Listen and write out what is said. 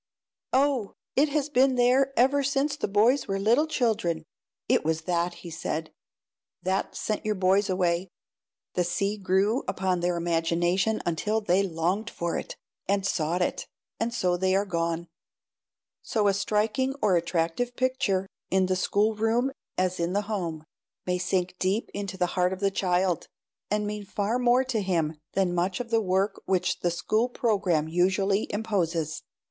"Oh, it has been there ever since the boys were little children." "It was that," he said, "that sent your boys away. The sea grew upon their imagination until they longed for it, and sought it, and so they are gone." So a striking or attractive picture, in the schoolroom as in the home, may sink deep into the heart of the child, and mean far more to him than much of the work which the school program usually imposes.